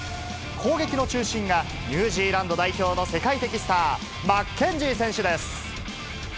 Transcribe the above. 攻撃の中心がニュージーランド代表の世界的スター、マッケンジー選手です。